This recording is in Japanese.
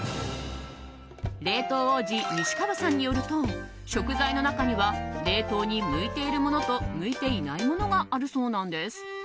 冷凍王子・西川さんによると食材の中には冷凍に向いているものと向いていないものがあるそうなんです。